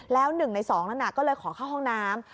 แล้ว๑ใน๒นั้นก็เลยขอเข้าห้องน้ำ